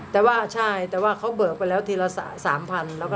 แต่ว่าใช่แต่ว่าเขาเบิกไปแล้วทีละ๓๐๐๐แล้วก็๑๐๐๐